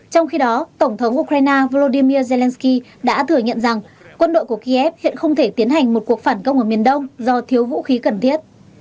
trong khi đó tổng thống ukraine volodymyr zelensky đã thừa nhận rằng quân đội của kiev hiện không thể tiến hành một cuộc phản công ở miền đông do thiếu vũ khí cần thiết